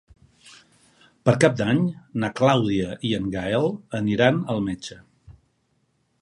Per Cap d'Any na Clàudia i en Gaël aniran al metge.